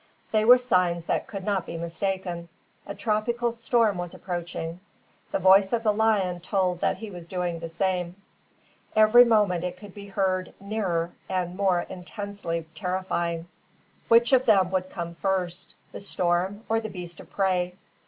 They were signs that could not be mistaken. A tropical storm was approaching. The voice of the lion told that he was doing the same. Every moment it could be heard, nearer, and more intensely terrifying. Which of them would come first, the storm or the beast of prey?